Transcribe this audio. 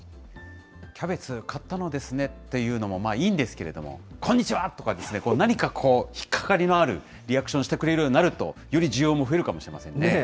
キャベツ、買ったのですねっていうのもいいんですけれども、こんにちはとかですね、何か引っ掛かりのあるリアクションしてくれるようになると、より需要も増えるかもしれませんね。